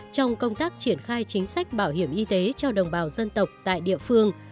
trong công tác triển khai chính sách bảo hiểm y tế cho đồng bào dân tộc tại địa phương